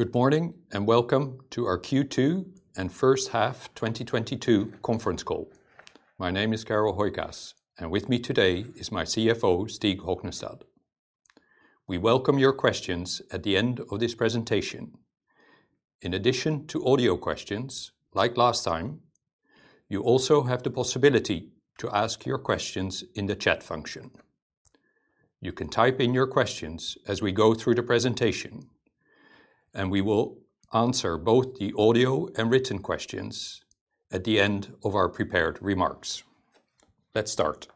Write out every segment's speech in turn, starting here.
Good morning, and welcome to our Q2 and first half 2022 conference call. My name is Carel Hooijkaas, and with me today is my CFO, Stig Hognestad. We welcome your questions at the end of this presentation. In addition to audio questions, like last time, you also have the possibility to ask your questions in the chat function. You can type in your questions as we go through the presentation, and we will answer both the audio and written questions at the end of our prepared remarks. Let's start.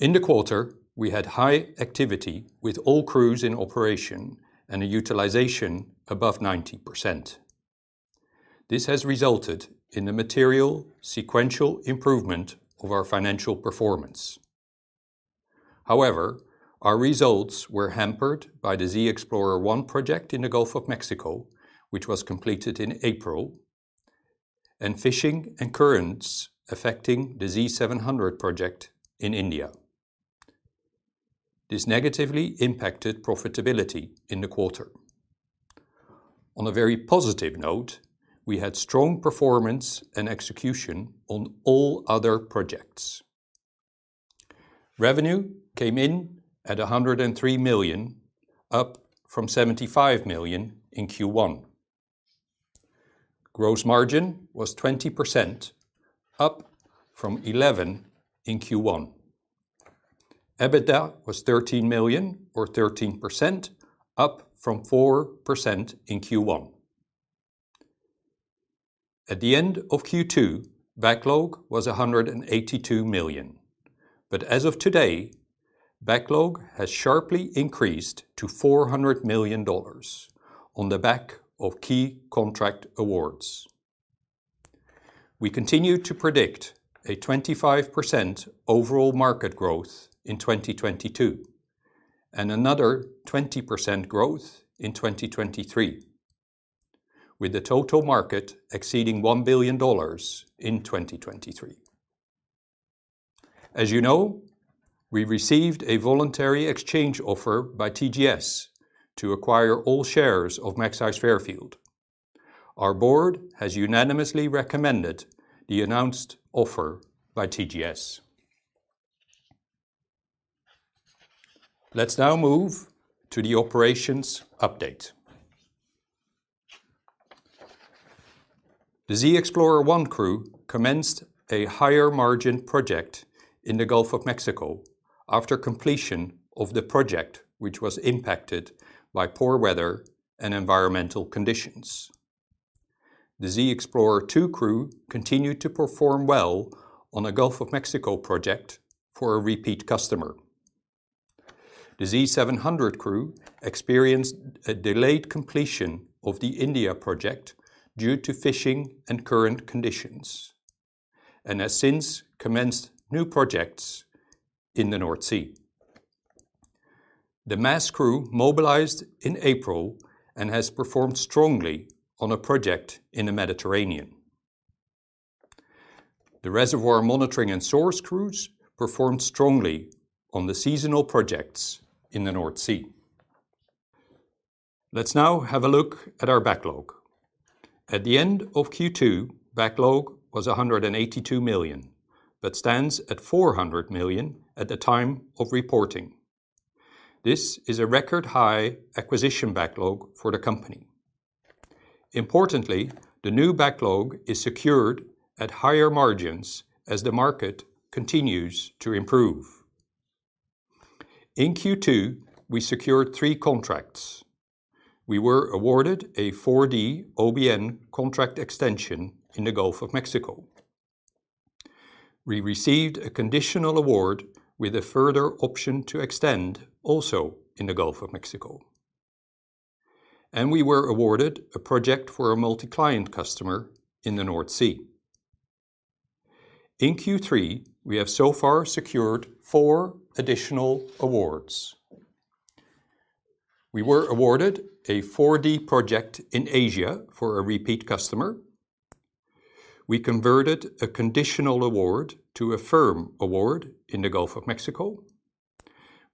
In the quarter, we had high activity with all crews in operation and a utilization above 90%. This has resulted in a material sequential improvement of our financial performance. However, our results were hampered by the ZXPLR project in the Gulf of Mexico, which was completed in April, and fishing and currents affecting the Z700 project in India. This negatively impacted profitability in the quarter. On a very positive note, we had strong performance and execution on all other projects. Revenue came in at 103 million, up from 75 million in Q1. Gross margin was 20%, up from 11% in Q1. EBITDA was 13 million or 13%, up from 4% in Q1. At the end of Q2, backlog was 182 million. As of today, backlog has sharply increased to $400 million on the back of key contract awards. We continue to predict a 25% overall market growth in 2022, and another 20% growth in 2023, with the total market exceeding $1 billion in 2023. As you know, we received a voluntary exchange offer by TGS to acquire all shares of Magseis Fairfield. Our board has unanimously recommended the announced offer by TGS. Let's now move to the operations update. The ZXPLR 1 crew commenced a higher margin project in the Gulf of Mexico after completion of the project, which was impacted by poor weather and environmental conditions. The ZXPLR 2 crew continued to perform well on a Gulf of Mexico project for a repeat customer. The Z700 crew experienced a delayed completion of the India project due to fishing and current conditions, and has since commenced new projects in the North Sea. The MASS crew mobilized in April and has performed strongly on a project in the Mediterranean. The reservoir monitoring and source crews performed strongly on the seasonal projects in the North Sea. Let's now have a look at our backlog. At the end of Q2, backlog was 182 million, but stands at 400 million at the time of reporting. This is a record high acquisition backlog for the company. Importantly, the new backlog is secured at higher margins as the market continues to improve. In Q2, we secured three contracts. We were awarded a 4D OBN contract extension in the Gulf of Mexico. We received a conditional award with a further option to extend also in the Gulf of Mexico, and we were awarded a project for a multi-client customer in the North Sea. In Q3, we have so far secured four additional awards. We were awarded a 4D project in Asia for a repeat customer. We converted a conditional award to a firm award in the Gulf of Mexico.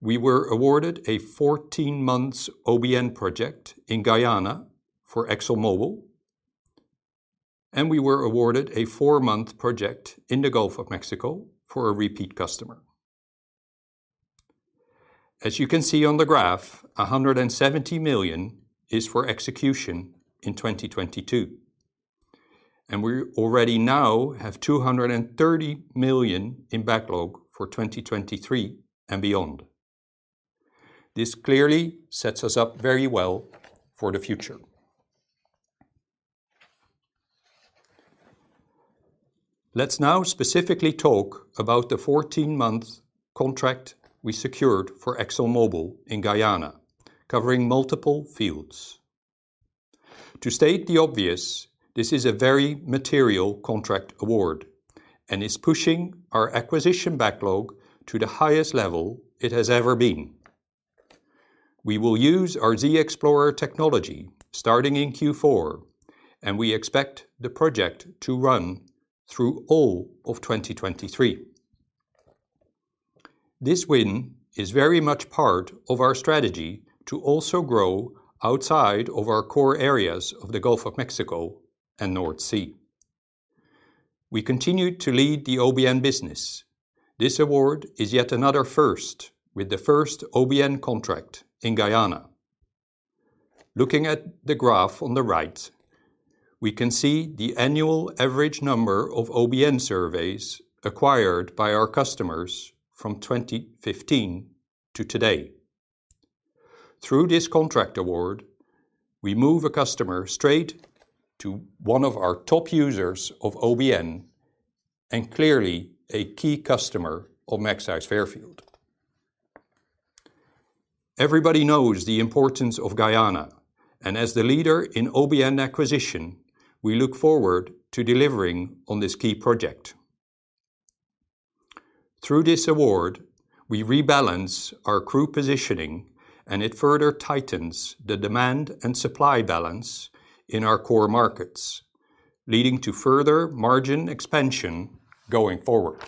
We were awarded a 14-month OBN project in Guyana for ExxonMobil, and we were awarded a four-month project in the Gulf of Mexico for a repeat customer. As you can see on the graph, 170 million is for execution in 2022, and we already now have 230 million in backlog for 2023 and beyond. This clearly sets us up very well for the future. Let's now specifically talk about the 14-month contract we secured for ExxonMobil in Guyana, covering multiple fields. To state the obvious, this is a very material contract award and is pushing our acquisition backlog to the highest level it has ever been. We will use our ZXPLR technology starting in Q4, and we expect the project to run through all of 2023. This win is very much part of our strategy to also grow outside of our core areas of the Gulf of Mexico and North Sea. We continue to lead the OBN business. This award is yet another first, with the first OBN contract in Guyana. Looking at the graph on the right, we can see the annual average number of OBN surveys acquired by our customers from 2015 to today. Through this contract award, we move a customer straight to one of our top users of OBN and clearly a key customer of Magseis Fairfield. Everybody knows the importance of Guyana, and as the leader in OBN acquisition, we look forward to delivering on this key project. Through this award, we rebalance our crew positioning, and it further tightens the demand and supply balance in our core markets, leading to further margin expansion going forward.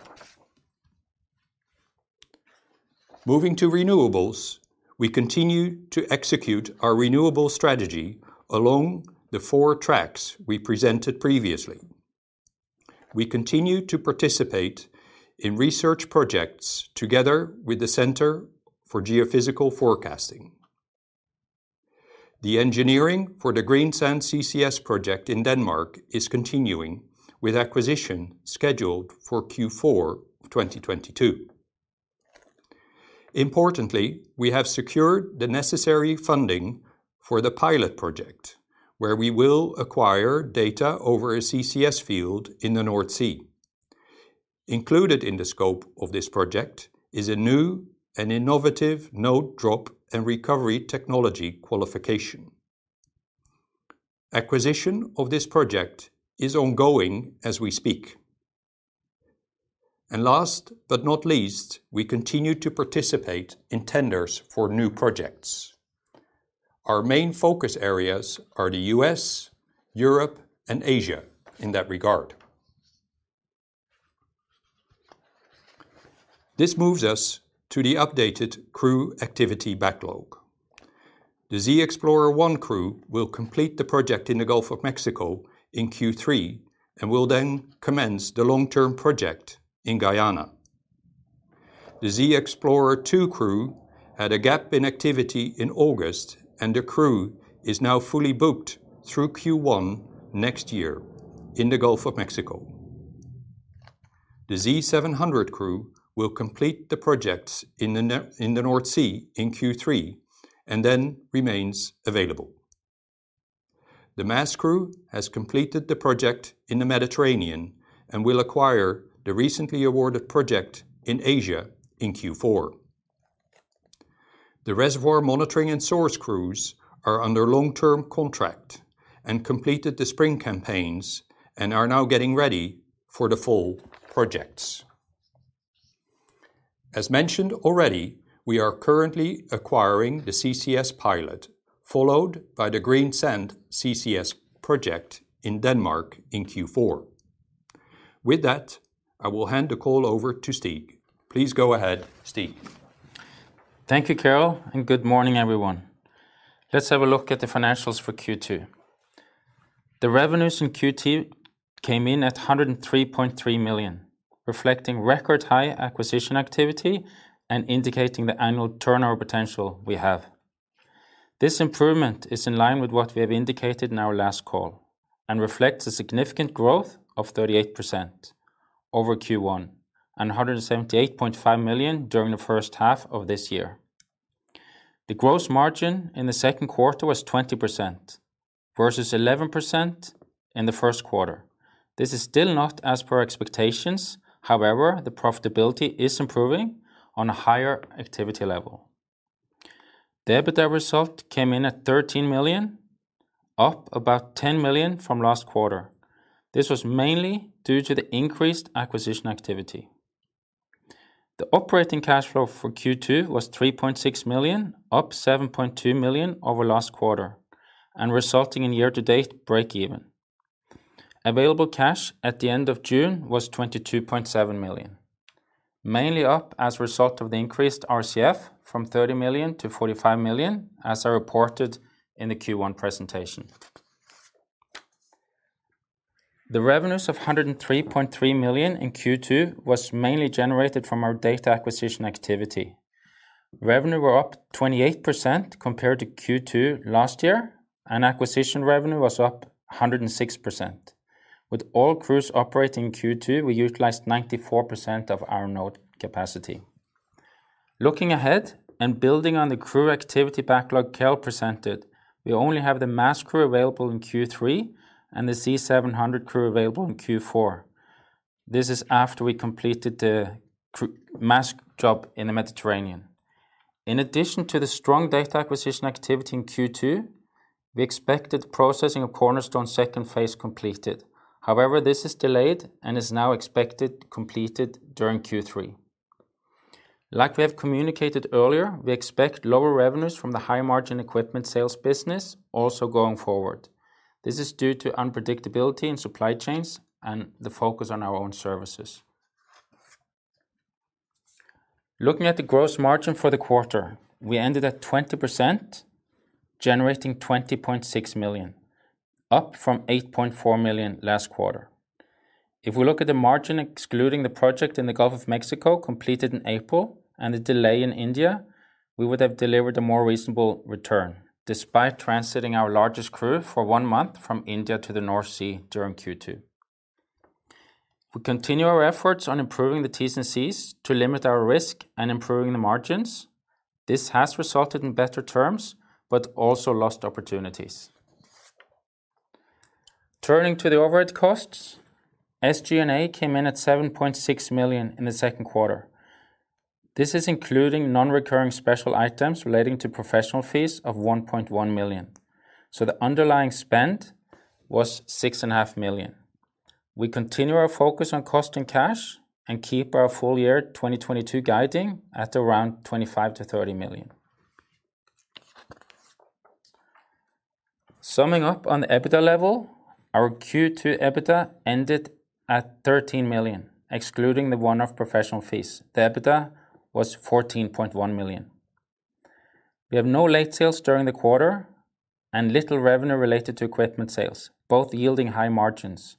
Moving to renewables, we continue to execute our renewable strategy along the four tracks we presented previously. We continue to participate in research projects together with the Center for Geophysical Forecasting. The engineering for the Greensand CCS project in Denmark is continuing, with acquisition scheduled for Q4 2022. Importantly, we have secured the necessary funding for the pilot project, where we will acquire data over a CCS field in the North Sea. Included in the scope of this project is a new and innovative node drop and recovery technology qualification. Acquisition of this project is ongoing as we speak. Last but not least, we continue to participate in tenders for new projects. Our main focus areas are the U.S., Europe, and Asia in that regard. This moves us to the updated crew activity backlog. The ZXPLR 1 crew will complete the project in the Gulf of Mexico in Q3 and will then commence the long-term project in Guyana. The ZXPLR 2 crew had a gap in activity in August, and the crew is now fully booked through Q1 next year in the Gulf of Mexico. The Z700 crew will complete the projects in the North Sea in Q3 and then remains available. The MASS crew has completed the project in the Mediterranean and will acquire the recently awarded project in Asia in Q4. The reservoir monitoring and source crews are under long-term contract and completed the spring campaigns and are now getting ready for the fall projects. As mentioned already, we are currently acquiring the CCS pilot, followed by the Greensand CCS project in Denmark in Q4. With that, I will hand the call over to Stig. Please go ahead, Stig. Thank you, Carel, and good morning, everyone. Let's have a look at the financials for Q2. The revenues in Q2 came in at 103.3 million, reflecting record high acquisition activity and indicating the annual turnover potential we have. This improvement is in line with what we have indicated in our last call and reflects a significant growth of 38% over Q1 and 178.5 million during the first half of this year. The gross margin in the second quarter was 20% versus 11% in the first quarter. This is still not as per expectations. However, the profitability is improving on a higher activity level. The EBITDA result came in at 13 million, up about 10 million from last quarter. This was mainly due to the increased acquisition activity. The operating cash flow for Q2 was 3.6 million, up 7.2 million over last quarter and resulting in year-to-date breakeven. Available cash at the end of June was 22.7 million, mainly up as a result of the increased RCF from 30 million-45 million, as I reported in the Q1 presentation. The revenues of 103.3 million in Q2 was mainly generated from our data acquisition activity. Revenue were up 28% compared to Q2 last year, and acquisition revenue was up 106%. With all crews operating in Q2, we utilized 94% of our node capacity. Looking ahead and building on the crew activity backlog Carel presented, we only have the MASS crew available in Q3 and the Z700 crew available in Q4. This is after we completed the crew MASS job in the Mediterranean. In addition to the strong data acquisition activity in Q2, we expected processing of Cornerstone's second phase completed. However, this is delayed and is now expected completed during Q3. Like we have communicated earlier, we expect lower revenues from the high margin equipment sales business also going forward. This is due to unpredictability in supply chains and the focus on our own services. Looking at the gross margin for the quarter, we ended at 20%, generating 20.6 million, up from 8.4 million last quarter. If we look at the margin excluding the project in the Gulf of Mexico completed in April and the delay in India, we would have delivered a more reasonable return despite transiting our largest crew for one month from India to the North Sea during Q2. We continue our efforts on improving the T&Cs to limit our risk and improving the margins. This has resulted in better terms but also lost opportunities. Turning to the overhead costs, SG&A came in at 7.6 million in the second quarter. This is including non-recurring special items relating to professional fees of 1.1 million. The underlying spend was 6.5 million. We continue our focus on cost and cash and keep our full year 2022 guiding at around 25-30 million. Summing up on the EBITDA level, our Q2 EBITDA ended at 13 million, excluding the one-off professional fees. The EBITDA was 14.1 million. We have no late sales during the quarter and little revenue related to equipment sales, both yielding high margins.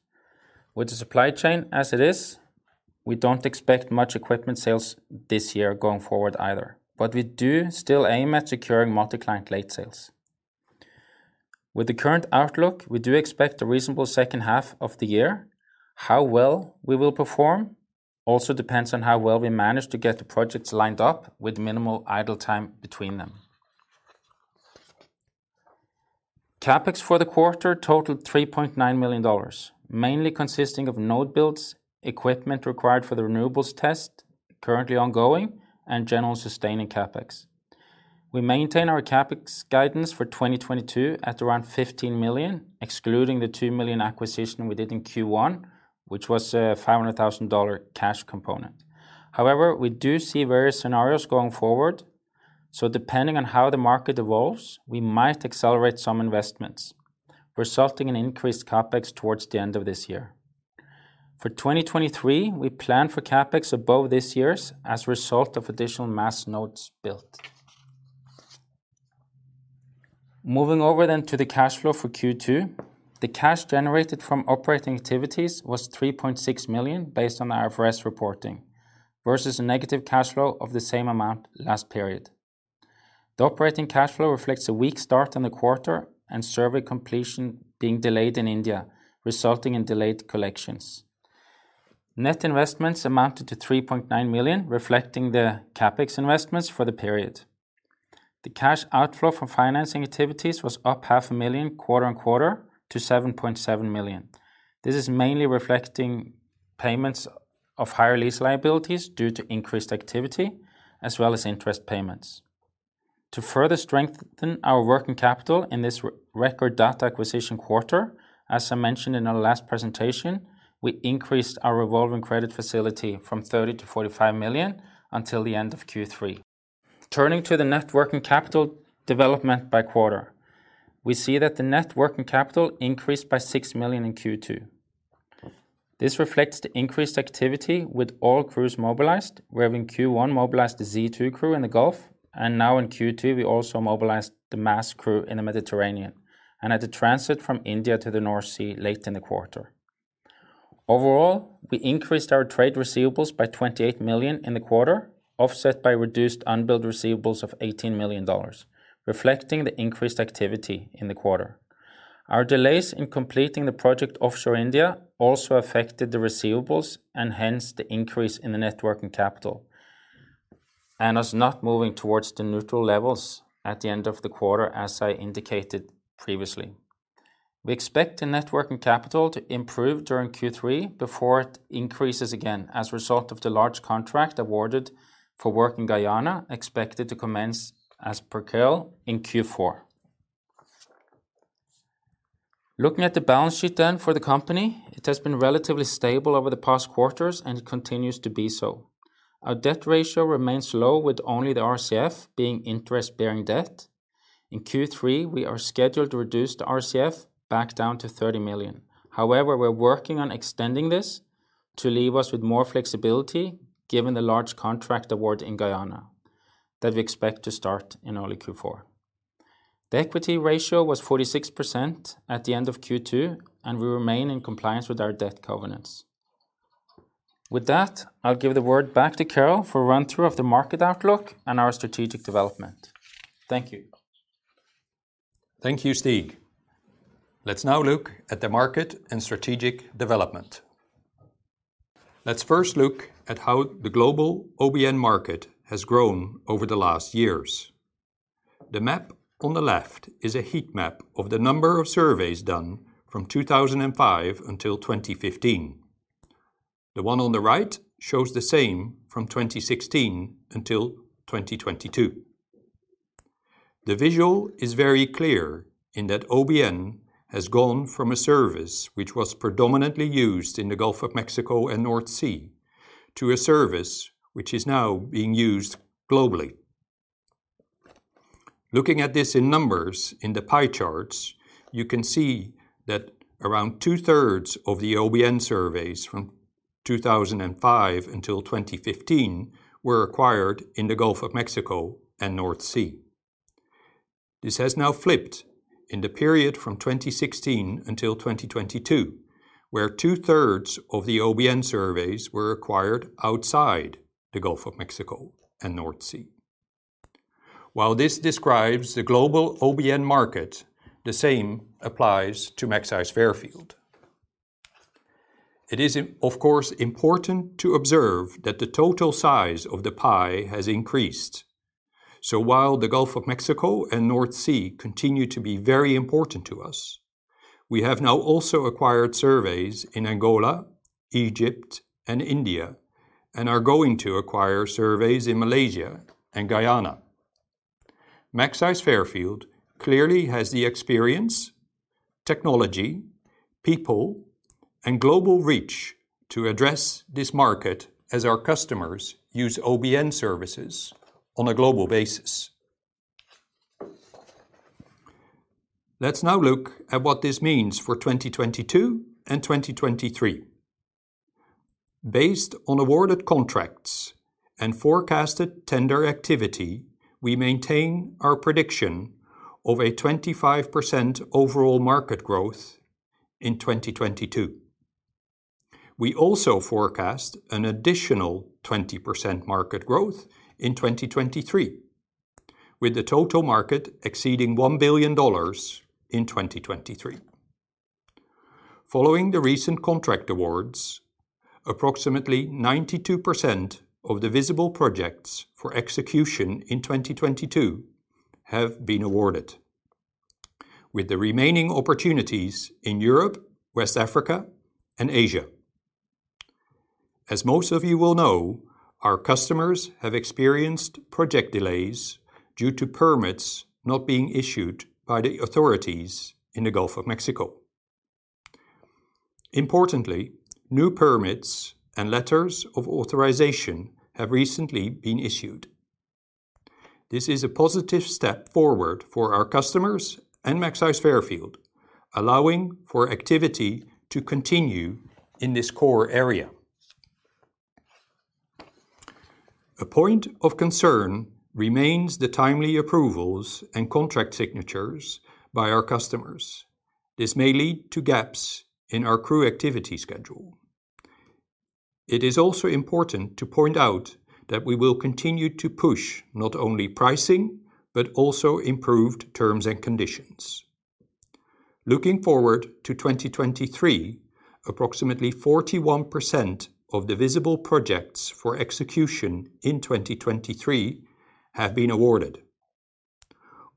With the supply chain as it is, we don't expect much equipment sales this year going forward either, but we do still aim at securing multi-client late sales. With the current outlook, we do expect a reasonable second half of the year. How well we will perform also depends on how well we manage to get the projects lined up with minimal idle time between them. CapEx for the quarter totaled $3.9 million, mainly consisting of node builds, equipment required for the renewables test currently ongoing, and general sustaining CapEx. We maintain our CapEx guidance for 2022 at around 15 million, excluding the 2 million acquisition we did in Q1, which was a $500,000 cash component. However, we do see various scenarios going forward, so depending on how the market evolves, we might accelerate some investments, resulting in increased CapEx towards the end of this year. For 2023, we plan for CapEx above this year's as a result of additional MASS nodes built. Moving over to the cash flow for Q2, the cash generated from operating activities was 3.6 million based on IFRS reporting, versus a negative cash flow of the same amount last period. The operating cash flow reflects a weak start on the quarter and survey completion being delayed in India, resulting in delayed collections. Net investments amounted to 3.9 million, reflecting the CapEx investments for the period. The cash outflow from financing activities was up half a million quarter-on-quarter to 7.7 million. This is mainly reflecting payments of higher lease liabilities due to increased activity as well as interest payments. To further strengthen our working capital in this record data acquisition quarter, as I mentioned in our last presentation, we increased our revolving credit facility from 30 million-45 million until the end of Q3. Turning to the net working capital development by quarter, we see that the net working capital increased by 6 million in Q2. This reflects the increased activity with all crews mobilized. Where in Q1, mobilized the Z700 crew in the Gulf, and now in Q2, we also mobilized the MASS crew in the Mediterranean and had to transit from India to the North Sea late in the quarter. Overall, we increased our trade receivables by 28 million in the quarter, offset by reduced unbilled receivables of $18 million, reflecting the increased activity in the quarter. Our delays in completing the project offshore India also affected the receivables and hence the increase in the net working capital and thus not moving towards the neutral levels at the end of the quarter as I indicated previously. We expect the net working capital to improve during Q3 before it increases again as a result of the large contract awarded for work in Guyana expected to commence as per Carel in Q4. Looking at the balance sheet then for the company, it has been relatively stable over the past quarters and continues to be so. Our debt ratio remains low with only the RCF being interest-bearing debt. In Q3, we are scheduled to reduce the RCF back down to 30 million. However, we're working on extending this to leave us with more flexibility given the large contract award in Guyana that we expect to start in early Q4. The equity ratio was 46% at the end of Q2, and we remain in compliance with our debt covenants. With that, I'll give the word back to Carel for a run-through of the market outlook and our strategic development. Thank you. Thank you, Stig. Let's now look at the market and strategic development. Let's first look at how the global OBN market has grown over the last years. The map on the left is a heat map of the number of surveys done from 2005 until 2015. The one on the right shows the same from 2016 until 2022. The visual is very clear in that OBN has gone from a service which was predominantly used in the Gulf of Mexico and North Sea, to a service which is now being used globally. Looking at this in numbers in the pie charts, you can see that around two-thirds of the OBN surveys from 2005 until 2015 were acquired in the Gulf of Mexico and North Sea. This has now flipped in the period from 2016 until 2022, where two-thirds of the OBN surveys were acquired outside the Gulf of Mexico and North Sea. While this describes the global OBN market, the same applies to Magseis Fairfield. It is of course important to observe that the total size of the pie has increased. While the Gulf of Mexico and North Sea continue to be very important to us, we have now also acquired surveys in Angola, Egypt, and India, and are going to acquire surveys in Malaysia and Guyana. Magseis Fairfield clearly has the experience, technology, people, and global reach to address this market as our customers use OBN services on a global basis. Let's now look at what this means for 2022 and 2023. Based on awarded contracts and forecasted tender activity, we maintain our prediction of a 25% overall market growth in 2022. We also forecast an additional 20% market growth in 2023, with the total market exceeding $1 billion in 2023. Following the recent contract awards, approximately 92% of the visible projects for execution in 2022 have been awarded, with the remaining opportunities in Europe, West Africa, and Asia. As most of you will know, our customers have experienced project delays due to permits not being issued by the authorities in the Gulf of Mexico. Importantly, new permits and letters of authorization have recently been issued. This is a positive step forward for our customers and Magseis Fairfield, allowing for activity to continue in this core area. A point of concern remains the timely approvals and contract signatures by our customers. This may lead to gaps in our crew activity schedule. It is also important to point out that we will continue to push not only pricing, but also improved terms and conditions. Looking forward to 2023, approximately 41% of the visible projects for execution in 2023 have been awarded.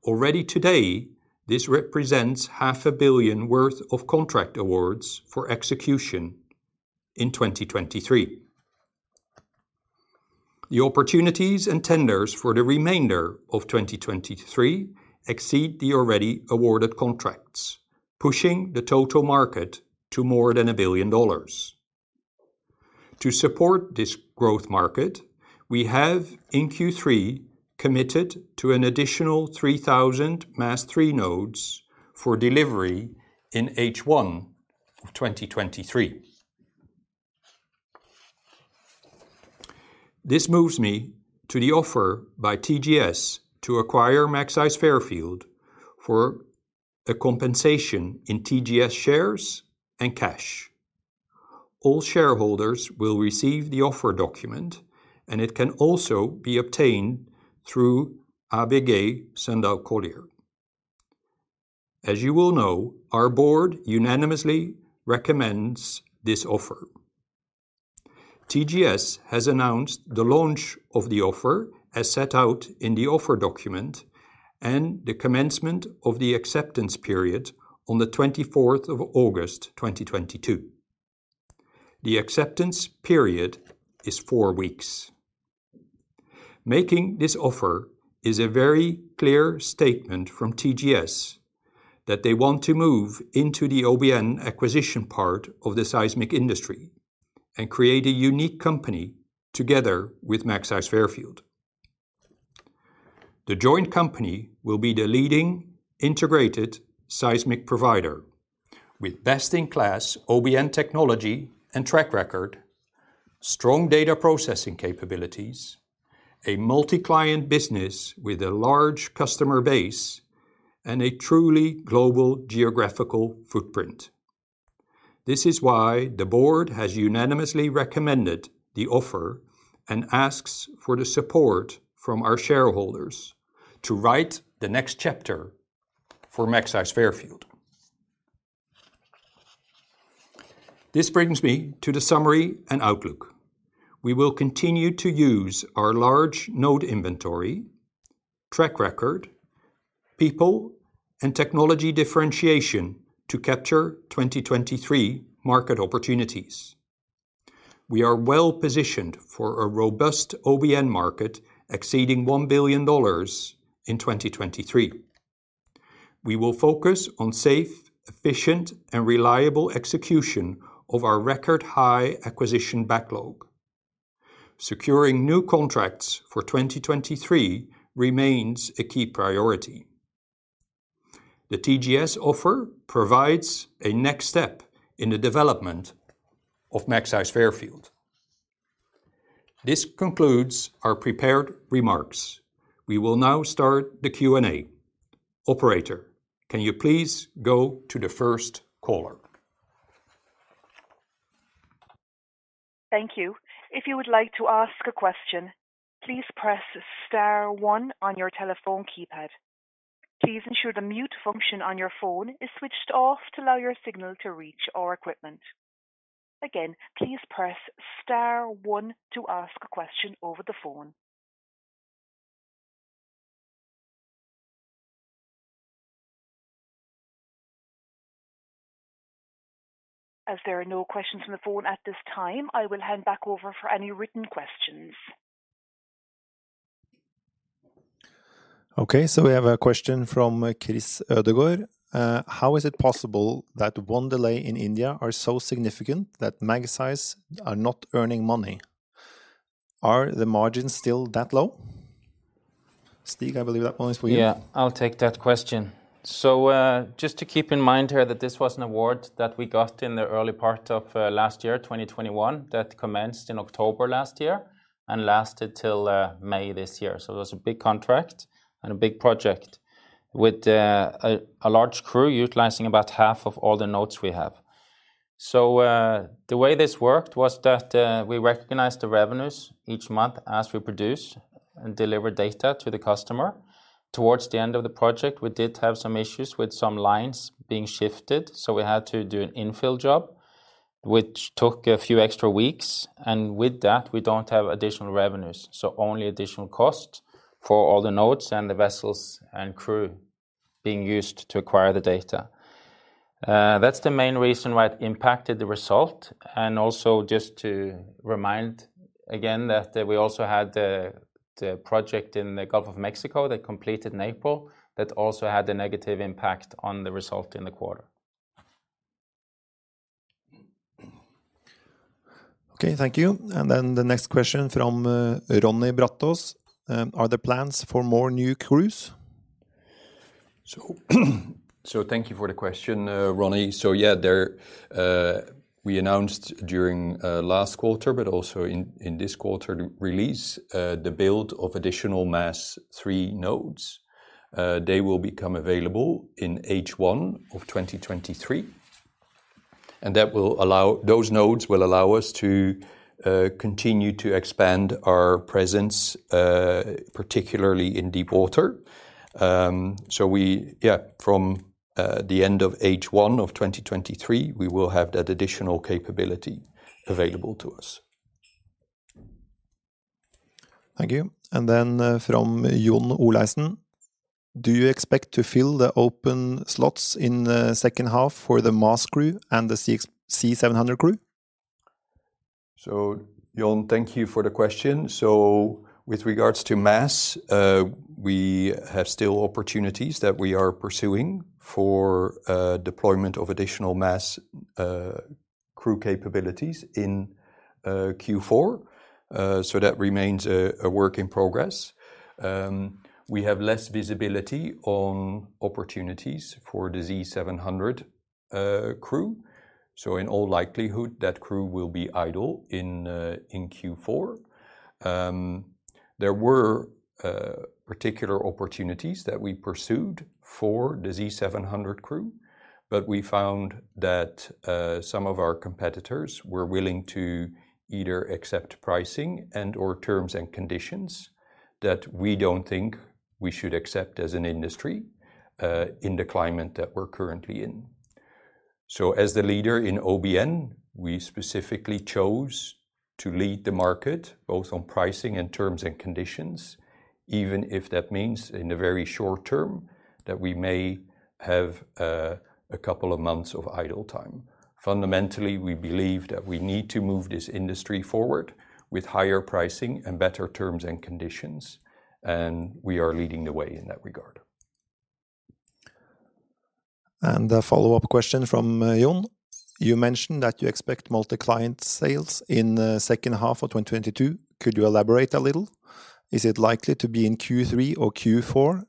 Already today, this represents half a billion worth of contract awards for execution in 2023. The opportunities and tenders for the remainder of 2023 exceed the already awarded contracts, pushing the total market to more than $1 billion. To support this growth market, we have in Q3 committed to an additional 3,000 MASS III nodes for delivery in H1 of 2023. This moves me to the offer by TGS to acquire Magseis Fairfield for a compensation in TGS shares and cash. All shareholders will receive the offer document, and it can also be obtained through ABG Sundal Collier. As you will know, our board unanimously recommends this offer. TGS has announced the launch of the offer as set out in the offer document and the commencement of the acceptance period on the 24th of August 2022. The acceptance period is four weeks. Making this offer is a very clear statement from TGS that they want to move into the OBN acquisition part of the seismic industry and create a unique company together with Magseis Fairfield. The joint company will be the leading integrated seismic provider with best-in-class OBN technology and track record, strong data processing capabilities, a multi-client business with a large customer base, and a truly global geographical footprint. This is why the board has unanimously recommended the offer and asks for the support from our shareholders to write the next chapter for Magseis Fairfield. This brings me to the summary and outlook. We will continue to use our large node inventory, track record, people, and technology differentiation to capture 2023 market opportunities. We are well-positioned for a robust OBN market exceeding $1 billion in 2023. We will focus on safe, efficient, and reliable execution of our record-high acquisition backlog. Securing new contracts for 2023 remains a key priority. The TGS offer provides a next step in the development of Magseis Fairfield. This concludes our prepared remarks. We will now start the Q&A. Operator, can you please go to the first caller? Thank you. If you would like to ask a question, please press star one on your telephone keypad. Please ensure the mute function on your phone is switched off to allow your signal to reach our equipment. Again, please press star one to ask a question over the phone. As there are no questions on the phone at this time, I will hand back over for any written questions. We have a question from Chris Ødegaard. How is it possible that one delay in India are so significant that Magseis are not earning money? Are the margins still that low? Stig, I believe that one is for you. Yeah, I'll take that question. Just to keep in mind here that this was an award that we got in the early part of last year, 2021, that commenced in October last year and lasted till May this year. It was a big contract and a big project with a large crew utilizing about half of all the nodes we have. The way this worked was that we recognized the revenues each month as we produce and deliver data to the customer. Towards the end of the project, we did have some issues with some lines being shifted, so we had to do an infill job, which took a few extra weeks, and with that, we don't have additional revenues, so only additional cost for all the nodes and the vessels and crew being used to acquire the data. That's the main reason why it impacted the result. Also just to remind again that we also had the project in the Gulf of Mexico that completed in April that also had a negative impact on the result in the quarter. Okay, thank you. The next question from Ronny Brattås. Are there plans for more new crews? Thank you for the question, Ronnie. Yeah, we announced during last quarter, but also in this quarter release, the build of additional MASS III nodes. They will become available in H1 of 2023, and those nodes will allow us to continue to expand our presence, particularly in deep water. From the end of H1 of 2023, we will have that additional capability available to us. Thank you. From John Olaisen. Do you expect to fill the open slots in the second half for the MASS crew and the Z700 crew? John, thank you for the question. With regards to MASS, we have still opportunities that we are pursuing for deployment of additional MASS crew capabilities in Q4. That remains a work in progress. We have less visibility on opportunities for the Z700 crew. In all likelihood, that crew will be idle in Q4. There were particular opportunities that we pursued for the Z700 crew, but we found that some of our competitors were willing to either accept pricing and/or terms and conditions that we don't think we should accept as an industry in the climate that we're currently in. As the leader in OBN, we specifically chose to lead the market both on pricing and terms and conditions, even if that means in the very short term that we may have a couple of months of idle time. Fundamentally, we believe that we need to move this industry forward with higher pricing and better terms and conditions, and we are leading the way in that regard. A follow-up question from John. You mentioned that you expect multi-client sales in the second half of 2022. Could you elaborate a little? Is it likely to be in Q3 or Q4?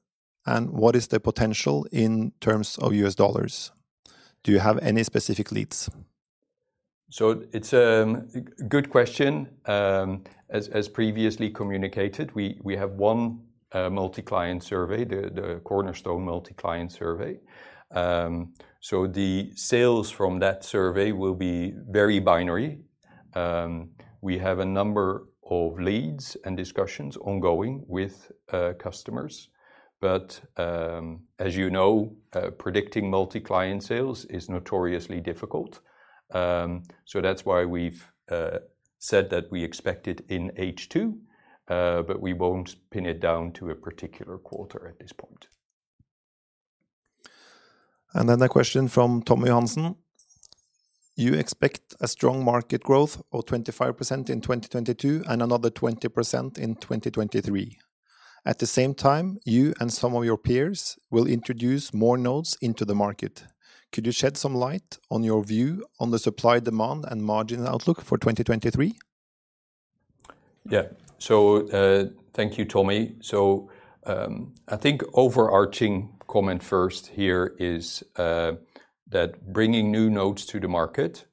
And what is the potential in terms of U.S. dollars? Do you have any specific leads? It's a good question. As previously communicated, we have one multi-client survey, the Cornerstone multi-client survey. The sales from that survey will be very binary. We have a number of leads and discussions ongoing with customers. As you know, predicting multi-client sales is notoriously difficult. That's why we've said that we expect it in H2, but we won't pin it down to a particular quarter at this point. Then a question from Tommy Hansen. You expect a strong market growth of 25% in 2022 and another 20% in 2023. At the same time, you and some of your peers will introduce more nodes into the market. Could you shed some light on your view on the supply, demand, and margin outlook for 2023? Yeah. Thank you, Tommy. I think overarching comment first here is that bringing new nodes to the market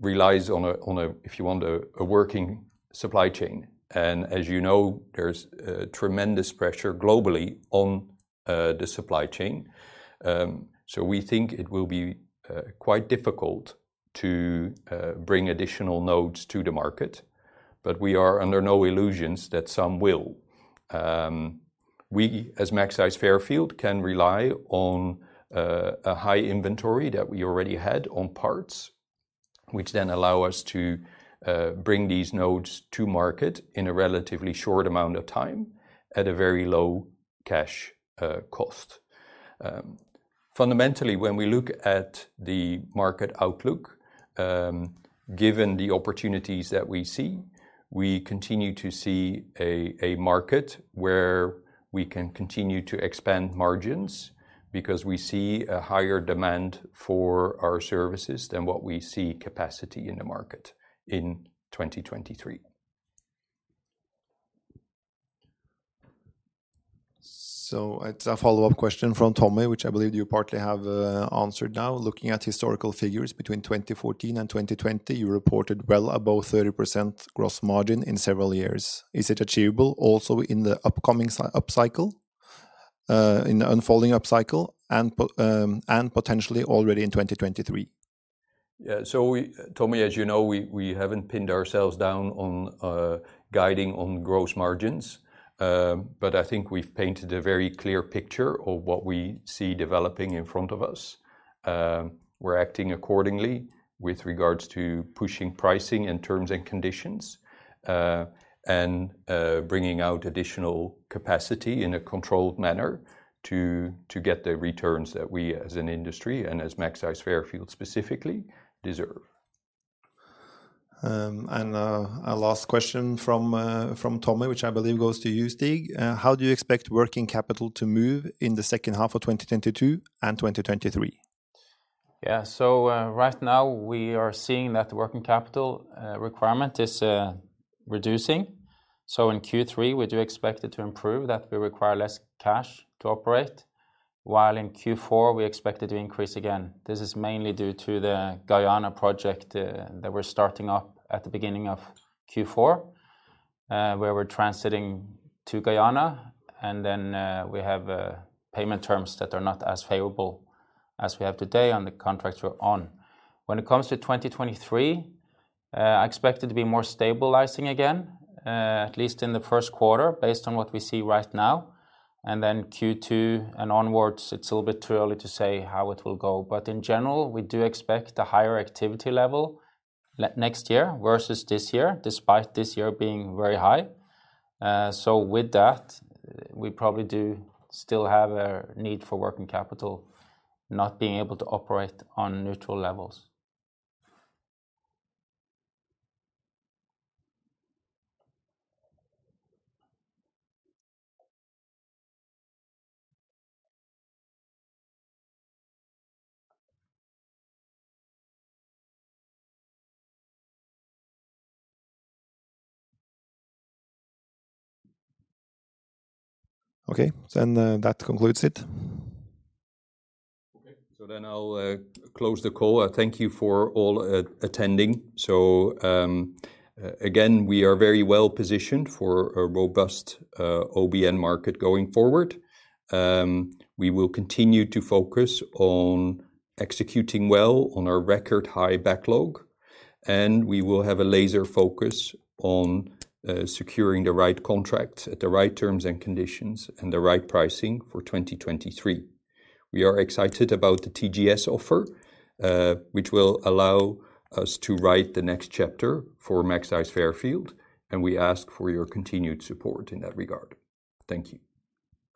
relies on, if you want, a working supply chain. As you know, there's tremendous pressure globally on the supply chain. We think it will be quite difficult to bring additional nodes to the market, but we are under no illusions that some will. We, as Magseis Fairfield, can rely on a high inventory that we already had on parts, which then allow us to bring these nodes to market in a relatively short amount of time at a very low cash cost. Fundamentally, when we look at the market outlook, given the opportunities that we see, we continue to see a market where we can continue to expand margins because we see a higher demand for our services than what we see capacity in the market in 2023. It's a follow-up question from Tommy, which I believe you partly have answered now. Looking at historical figures between 2014 and 2020, you reported well above 30% gross margin in several years. Is it achievable also in the upcoming upcycle, in the unfolding upcycle and potentially already in 2023? Yeah. Tommy, as you know, we haven't pinned ourselves down on guiding on gross margins, but I think we've painted a very clear picture of what we see developing in front of us. We're acting accordingly with regards to pushing pricing and terms and conditions, and bringing out additional capacity in a controlled manner to get the returns that we, as an industry, and as Magseis Fairfield specifically, deserve. A last question from Tommy, which I believe goes to you, Stig. How do you expect working capital to move in the second half of 2022 and 2023? Right now we are seeing that working capital requirement is reducing. In Q3, we do expect it to improve that we require less cash to operate. While in Q4, we expect it to increase again. This is mainly due to the Guyana project that we're starting up at the beginning of Q4, where we're transiting to Guyana, and then we have payment terms that are not as favorable as we have today on the contracts we're on. When it comes to 2023, I expect it to be more stabilizing again, at least in the first quarter, based on what we see right now. Then Q2 and onwards, it's a little bit too early to say how it will go. In general, we do expect a higher activity level next year versus this year, despite this year being very high. With that, we probably do still have a need for working capital not being able to operate on neutral levels. Okay. That concludes it. Okay. I'll close the call. Thank you for all attending. Again, we are very well positioned for a robust OBN market going forward. We will continue to focus on executing well on our record high backlog, and we will have a laser focus on securing the right contracts at the right terms and conditions and the right pricing for 2023. We are excited about the TGS offer, which will allow us to write the next chapter for Magseis Fairfield, and we ask for your continued support in that regard. Thank you.